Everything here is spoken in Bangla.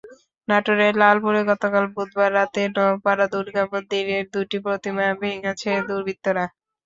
নাটোরের লালপুরে গতকাল বুধবার রাতে নওপাড়া দুর্গা মন্দিরের দুটি প্রতিমা ভেঙেছে দুর্বৃৃত্তরা।